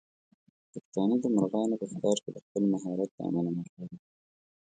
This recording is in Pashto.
پښتانه د مرغانو په ښکار کې د خپل مهارت له امله مشهور دي.